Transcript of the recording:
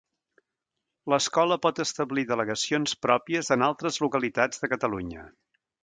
L'Escola pot establir delegacions pròpies en altres localitats de Catalunya.